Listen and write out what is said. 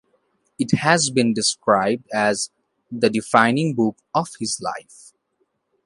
It has been described as "the defining book of his life".